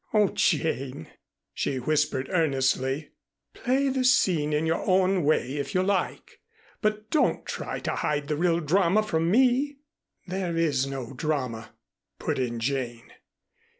Oh, Jane," she whispered earnestly, "play the scene in your own way if you like, but don't try to hide the real drama from me." "There is no drama," put in Jane.